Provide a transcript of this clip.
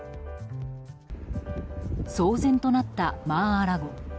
騒然となったマー・ア・ラゴ。